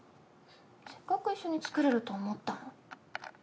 せっかく一緒に作れると思ったのに。